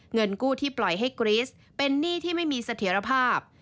เงินกู้ที่ปล่อยให้กรีสเป็นหนี้ที่ไม่มีเสถียรภาพ